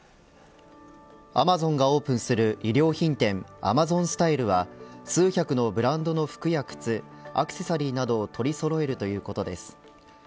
アマゾンがオープンする衣料品店アマゾン・スタイルは数百のブランドの服や靴アクセサリーなどを取りそろえるということです。